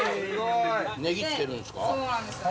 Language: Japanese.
ネギつけるんすか？